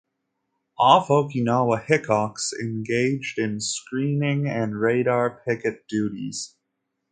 Off Okinawa "Hickox" engaged in screening and radar picket duties.